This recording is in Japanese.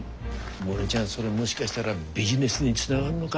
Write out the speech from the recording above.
モネちゃんそれもしかしたらビジネスにつながんのが？